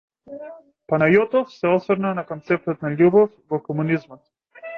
Панајотов се осврна на концептот на љубов во комунизмот.